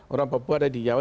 orang papua ada di jawa